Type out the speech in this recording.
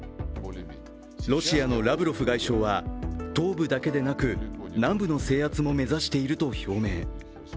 ロシアのラブロフ外相は東部だけでなく南部の制圧も目指していると表明。